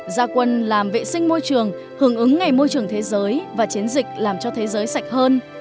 gia quân làm vệ sinh môi trường hưởng ứng ngày môi trường thế giới và chiến dịch làm cho thế giới sạch hơn